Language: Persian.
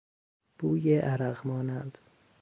بوی عرق مانند